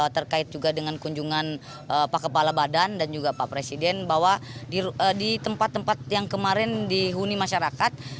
terkait juga dengan kunjungan pak kepala badan dan juga pak presiden bahwa di tempat tempat yang kemarin dihuni masyarakat